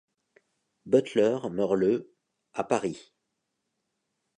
Butler meurt le à Paris.